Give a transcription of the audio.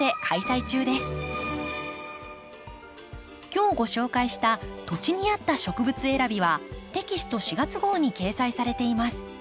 今日ご紹介した「土地に合った植物選び」はテキスト４月号に掲載されています。